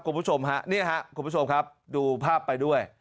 คุณผู้ชมฮะนี่ครับคุณผู้ชมครับดูภาพไปด้วย